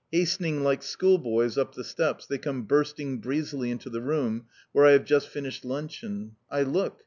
Hastening, like school boys, up the steps, they come bursting breezily into the room where I have just finished luncheon. I look!